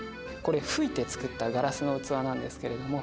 吹いて作ったガラスの器なんですけれども。